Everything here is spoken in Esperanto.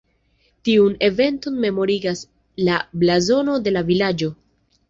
Tiun eventon memorigas la blazono de la vilaĝo.